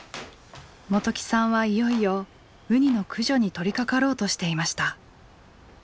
元起さんはいよいよウニの駆除に取りかかろうとしていました。